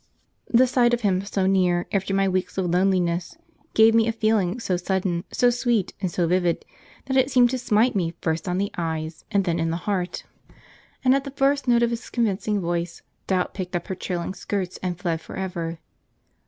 (The sight of him so near, after my weeks of loneliness, gave me a feeling so sudden, so sweet, and so vivid that it seemed to smite me first on the eyes, and then in the heart; and at the first note of his convincing voice Doubt picked up her trailing skirts and fled for ever.)